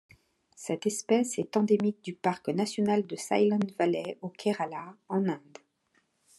Cette espèce est endémique du parc national de Silent Valley au Kerala en Inde.